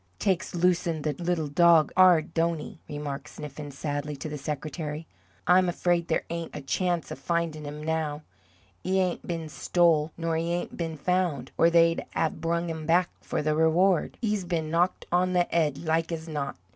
"Takes losin' the little dog 'ard, don't he?" remarked Sniffen, sadly, to the secretary. "I'm afraid there ain't a chance of findin' 'im now. 'E ain't been stole, nor 'e ain't been found, or they'd 'ave brung him back for the reward. 'E's been knocked on the 'ead, like as not.